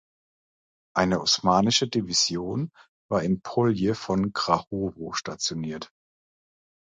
Eine osmanische Division war im Polje von Grahovo stationiert.